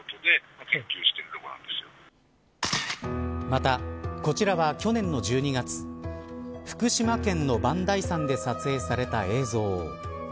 またこちらは、去年の１２月福島県の磐梯山で撮影された映像。